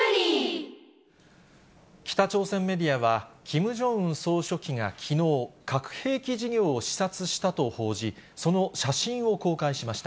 北朝鮮メディアは、キム・ジョンウン総書記がきのう、核兵器事業を視察したと報じ、その写真を公開しました。